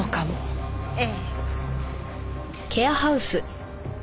ええ。